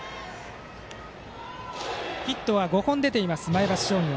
ヒットは５本出ている前橋商業。